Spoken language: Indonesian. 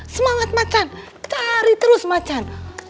semangat macan cari terus macan